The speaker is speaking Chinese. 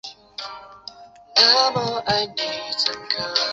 他曾就读于牛津大学圣约翰学院。